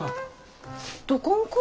どこん子？